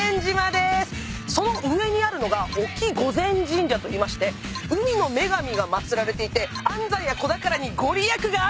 その上にあるのが沖御前神社といいまして海の女神が祭られていて安産や子宝に御利益があるんです。